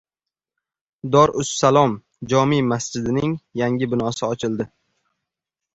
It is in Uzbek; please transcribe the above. “Dorussalom” jome masjidining yangi binosi ochildi